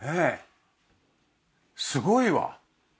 すごいわ。